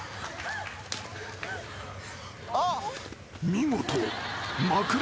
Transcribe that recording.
［見事］